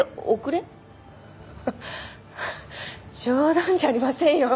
ハハ冗談じゃありませんよ。